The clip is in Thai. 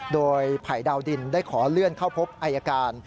โดยไผ่ดาวดินได้ขอเลื่อนเข้าพบอายการ